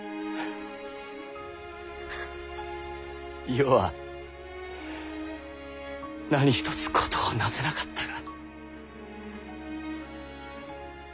余は何一つ事をなせなかったが。